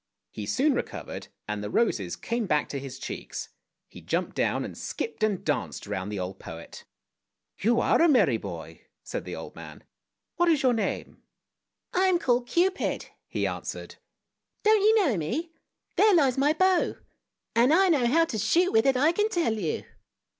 He soon recovered, and the roses came back to his cheeks; he jumped down and skipped and danced round the old poet. "You are a merry boy!" said the old man. "What is your name? " 223 224 ANDERSEN'S FAIRY TALES " I am called Cupid! " he answered. " Don't you know me? There lies my bow — and I know how to shoot with it, I can tell you!